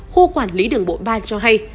khu quản lý đường bộ ba cho hay